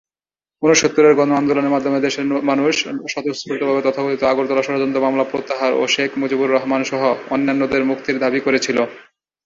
ঊনসত্তরের গণ-আন্দোলনের মাধ্যমে দেশের মানুষ স্বতঃস্ফূর্তভাবে তথাকথিত আগরতলা ষড়যন্ত্র মামলা প্রত্যাহার ও শেখ মুজিবুর রহমান-সহ অন্যান্যদের মুক্তির দাবি করেছিল।